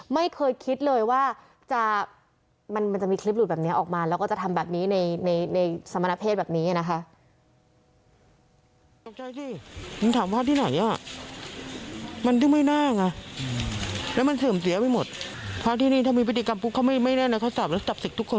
ไม่เคยคิดเลยว่ามันจะมีคลิปหลุดแบบนี้ออกมาแล้วก็จะทำแบบนี้ในสมณเพศแบบนี้นะคะ